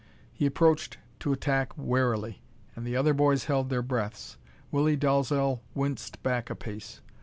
He approached to attack warily, and the other boys held their breaths. Willie Dalzel winced back a pace.